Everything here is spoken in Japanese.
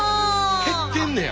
減ってんねや。